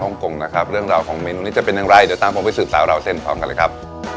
กงนะครับเรื่องราวของเมนูนี้จะเป็นอย่างไรเดี๋ยวตามผมไปสืบสาวราวเส้นพร้อมกันเลยครับ